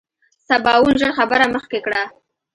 سباوون ژر خبره مخکې کړه.